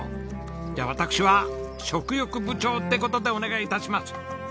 じゃあ私は食欲部長って事でお願い致します！